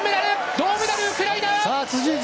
銅メダル、ウクライナ。